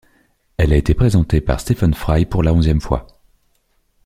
Elle a été présentée par Stephen Fry pour la onzième fois.